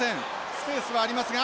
スペースはありますが。